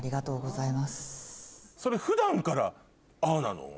それ普段からああなの？